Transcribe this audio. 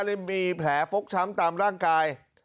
เลยมีแผลฟกช้ำตามร่างกาย